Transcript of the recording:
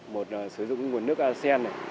một là sử dụng nguồn nước asem này